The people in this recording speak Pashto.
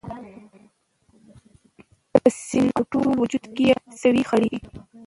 په سینه او ټول وجود کي یې سوې څړیکي